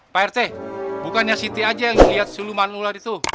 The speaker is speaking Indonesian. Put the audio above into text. pak rt bukannya siti aja yang liat siluman ular itu